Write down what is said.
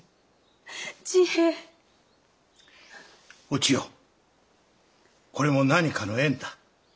お千代これも何かの縁だ。